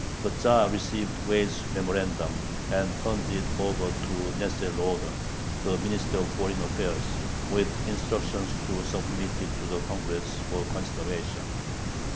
The Tzar received Way's memorandum, and turned it over to Nesselrode, the Minister of Foreign Affairs, with instructions to submit it to the Congress for consideration.